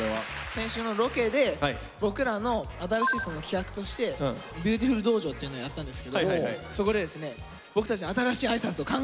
先週のロケで僕らの新しい企画としてビューティフル道場っていうのやったんですけどそこでですね僕たちの新しい挨拶を考えたんですよ。